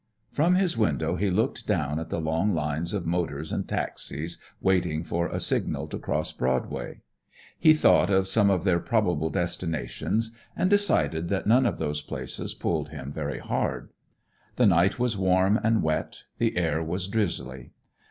From his window he looked down at the long lines of motors and taxis waiting for a signal to cross Broadway. He thought of some of their probable destinations and decided that none of those places pulled him very hard. The night was warm and wet, the air was drizzly.